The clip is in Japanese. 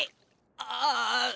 ああ。